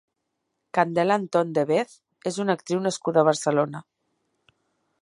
Candela Antón de Vez és una actriu nascuda a Barcelona.